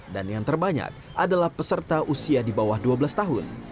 dan yang terbanyak adalah peserta usia di bawah dua belas tahun